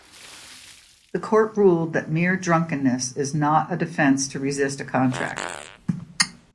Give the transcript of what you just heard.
The Court ruled that 'mere drunkenness' is not a defence to resist a contract.